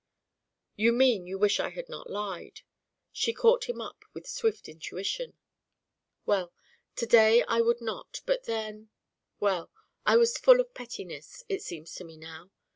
"You mean you wish I had not lied!" She caught him up with swift intuition. "Well, to day I would not, but then well, I was full of pettiness, it seems to me now.